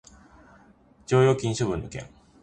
剰余金処分の件